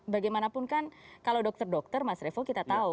bagaimanapun kan kalau dokter dokter mas revo kita tahu